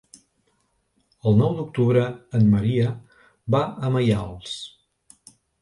El nou d'octubre en Maria va a Maials.